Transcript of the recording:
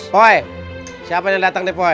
poi siapa yang dateng nih poi